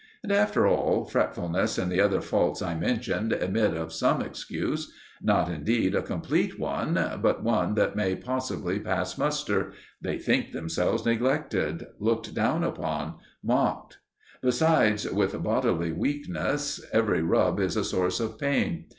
And, after all, fretfulness and the other faults I mentioned admit of some excuse not, indeed, a complete one, but one that may possibly pass muster: they think themselves neglected, looked down upon, mocked, Besides with bodily weakness every rub is a source of pain.